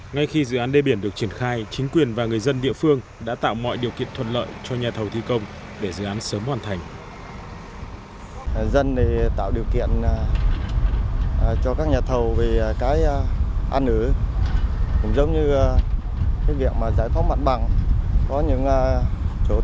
ngay khi dự án đê biển được triển khai chính quyền và người dân địa phương đã tạo mọi điều kiện thuận lợi cho nhà thầu thi công để dự án sớm hoàn thành